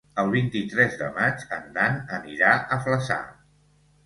El vint-i-tres de maig en Dan anirà a Flaçà.